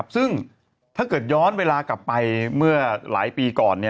ซึ่งถ้าเกิดย้อนเวลากลับไปเมื่อหลายปีก่อน